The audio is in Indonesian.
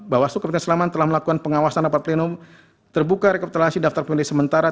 enam bahwa kabupaten sleman telah melakukan pengawasan dapat plenum terbuka rekruterasi daftar pemilih sementara